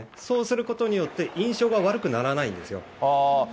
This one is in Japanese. そうすることによって、印象が悪くならないんですよ。